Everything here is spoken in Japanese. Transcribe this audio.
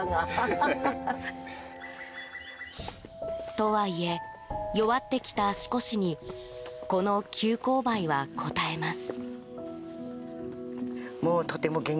とはいえ、弱ってきた足腰にこの急勾配はこたえます。